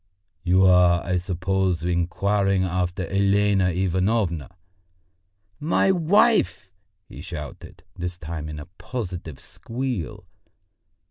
"You are, I suppose, inquiring after Elena Ivanovna?" "My wife?" he shouted, this time in a positive squeal.